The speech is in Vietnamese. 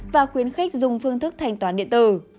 và khuyến khích dùng phương thức thành tựu